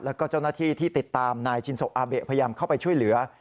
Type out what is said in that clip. แล้วก็เจ้าหน้าที่ที่ติดตามนายชินโซอาเบะพยายามเข้าไปช่วยเหลือ